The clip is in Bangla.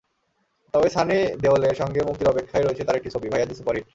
তবে সানি দেওলের সঙ্গে মুক্তির অপেক্ষায় আছে তাঁর একটি ছবি, ভাইয়াজি সুপারহিট।